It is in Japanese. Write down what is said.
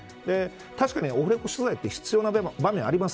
確かに、オフレコ取材って必要な場面があります。